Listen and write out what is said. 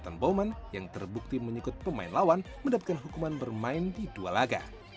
ternyata tersangka yang terbukti menyikut pemain lawan mendapatkan hukuman bermain di dua laga